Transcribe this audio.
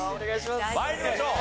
参りましょう。